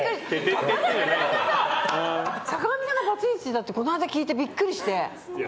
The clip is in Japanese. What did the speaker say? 坂上さんがさ、バツイチだってこの間聞いてビックリして。